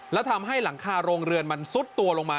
และทำให้หลังคาโรงเรือนมันซุดตัวลงมา